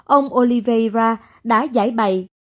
ông oliveria đã giải bày